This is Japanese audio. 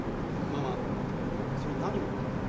ママそれ何持ってんだ？